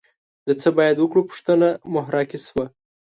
د څه باید وکړو پوښتنه محراقي شوه